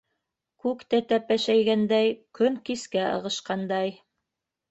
Күк тә тәпәшәйгәндәй, көн кискә ығышҡандай.